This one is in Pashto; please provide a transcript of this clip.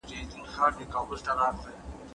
هر انسان غواړي چي لوړو درجو ته ورسيږي.